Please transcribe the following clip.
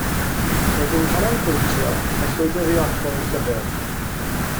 Roedd hi'n canolbwyntio, a llwyddodd i orffen ei llyfr